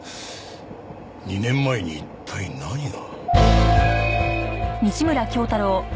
２年前に一体何が。